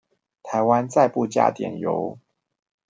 台灣再不加點油